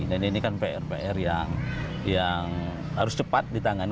dan ini kan pr pr yang harus cepat di tangan